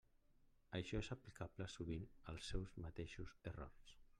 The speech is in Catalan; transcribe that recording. Això és aplicable sovint als seus mateixos errors.